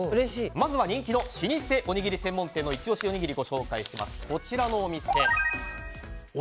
まずは人気の老舗おにぎり専門店のイチ押しおにぎりをご紹介します。